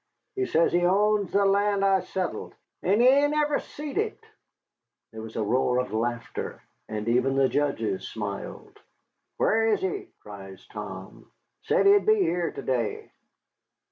"He says he owns the land I settled, and he ain't ever seed it." There was a roar of laughter, and even the judges smiled. "Whar is he?" cries Tom; "said he'd be here to day."